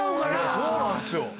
そうなんすよ！